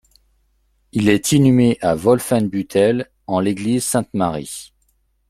Il est inhumé à Wolfenbüttel en l'église Sainte-Marie.